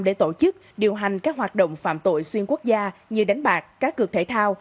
để tổ chức điều hành các hoạt động phạm tội xuyên quốc gia như đánh bạc các cược thể thao